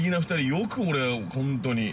よく俺、本当に。